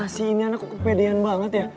si ini anak kok kepedean banget ya